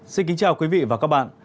xin kính chào quý vị và các bạn